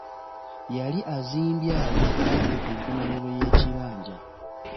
Yali azimbye awo kumpi ku nkomerero y'ekibanja.